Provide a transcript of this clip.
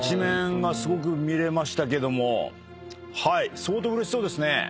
相当うれしそうですね。